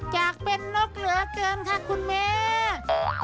อยากเป็นนกหลัวเกินครับคุณแหม